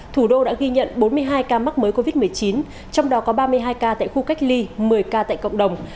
thủ đô đã ghi nhận bốn mươi hai ca mắc mới covid một mươi chín trong đó có ba mươi hai ca tại khu cách ly một mươi ca tại cộng đồng